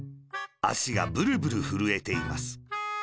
あしがブルブルふるえています。